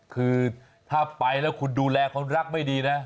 คือถ้าไปแล้วคุณดูแลคนรักไม่ดีนะ